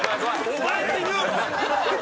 「お前」って言うな！